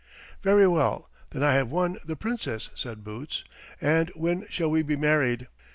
"Very well, then I have won the Princess," said Boots. "And when shall we be married?"